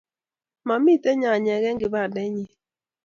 Mamito nyanyek eng' kibandait nyin